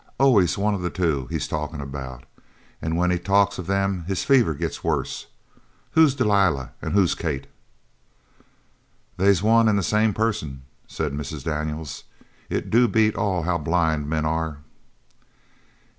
"Always one of the two he's talkin' about. An' when he talks of them his fever gets worse. Who's Delilah, an' who's Kate?" "They's one an' the same person," said Mrs. Daniels. "It do beat all how blind men are!"